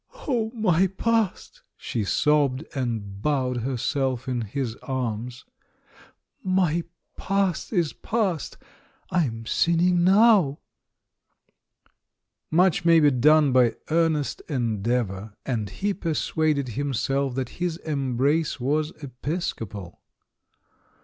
"Oh, my past?" she sobbed, and bowed herself in his arms. "My past is past — I'm sinning now !" Much may be done by earnest endeavour, and he persuaded himself that his embrace was epis copal.